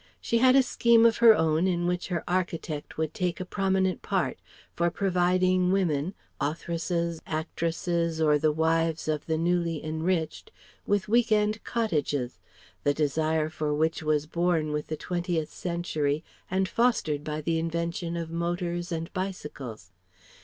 She had a scheme of her own in which her architect would take a prominent part, for providing women authoresses, actresses, or the wives of the newly enriched with week end cottages; the desire for which was born with the Twentieth century and fostered by the invention of motors and bicycles.